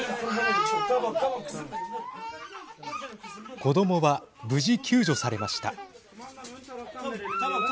子どもは無事救助されました。